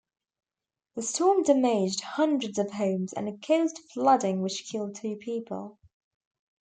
The storm damaged hundreds of homes and caused flooding which killed two people.